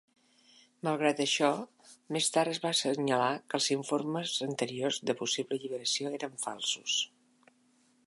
Malgrat això, més tard es va assenyalar que els informes anterior de possible alliberació eren falsos.